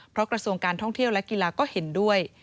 เพราะกระทรวงการท่องเที่ยวและกีฬาก็เห็นด้วย